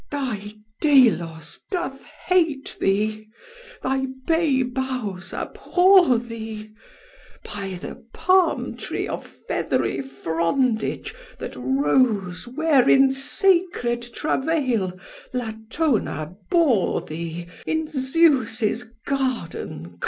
Thy Delos doth hate thee, thy bay boughs abhor thee, By the palm tree of feathery frondage that rose Where in sacred travail Latona bore thee In Zeus's garden close."